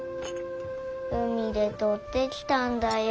海でとってきたんだよ。